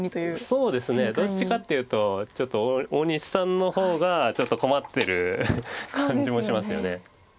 そうですねどっちかっていうと大西さんの方がちょっと困ってる感じもしますよね。